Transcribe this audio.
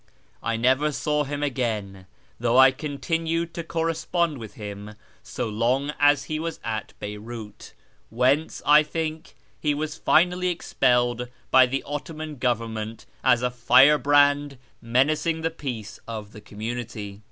I never saw him again, though I continued to correspond with him so long as he was at Beyrout, whence, I think, he was finally expelled by the Ottoman Government as a firebrand menacing the peace of the community.